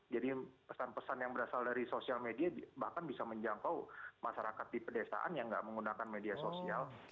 jadi pesan pesan yang berasal dari sosial media bahkan bisa menjangkau masyarakat di pedesaan yang nggak menggunakan media sosial